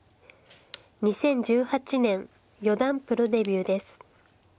２０１８年四段プロデビューです。